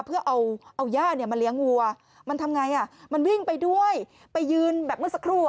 เพื่อเอาย่ามาเลี้ยงวัวมันทำอย่างไรมันวิ่งไปด้วยไปยืนแบบเมื่อสักครู่